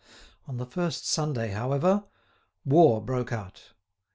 On the first Sunday, however, war broke out.